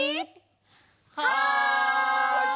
はい！